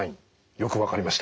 よく分かりました。